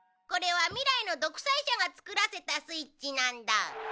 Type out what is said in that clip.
これは未来のどくさい者が作らせたスイッチなんだ。